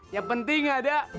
yang penting ada